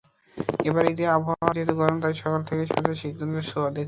এবারের ঈদে আবহাওয়া যেহেতু গরম, তাই সকাল থেকেই সাজে স্নিগ্ধতার ছোঁয়া রাখুন।